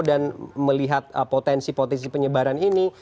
dan melihat potensi potensi penyebaran ini